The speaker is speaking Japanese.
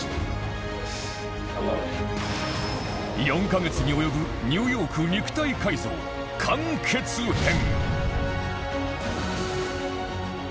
４カ月に及ぶニューヨーク肉体改造完結編